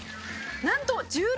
「なんと１６歳！」